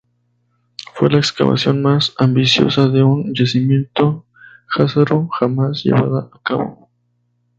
Fue la excavación más ambiciosa de un yacimiento jázaro jamás llevada a cabo.